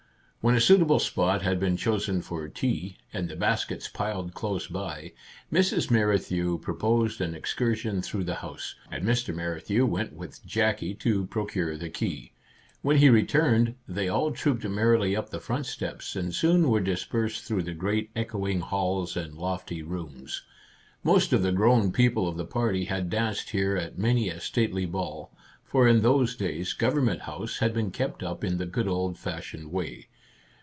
When a suitable spot had been chosen for tea, and the baskets piled close by, Mrs. Merrithew proposed an excur sion through the house, and Mr. Merrithew went with Jackie to procure the key. When he returned, they all trooped merrily up the front steps, and soon were dispersed through the great echoing halls and lofty rooms. Most of the grown people of the party had danced here at many a stately ball, for in those days Government House had been kept up in the good old fashioned way.